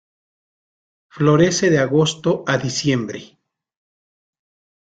Florece de agosto a diciembre.